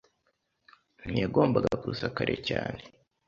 ntiyagombaga kuza kare cyane.